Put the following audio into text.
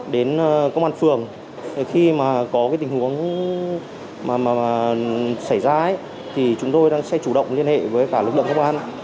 đến công an phường khi mà có cái tình huống mà xảy ra thì chúng tôi đang sẽ chủ động liên hệ với cả lực lượng công an